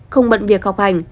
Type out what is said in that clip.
không bận việc học hành